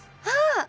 ああ！